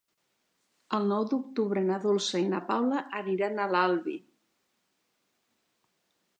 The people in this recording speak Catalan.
El nou d'octubre na Dolça i na Paula aniran a l'Albi.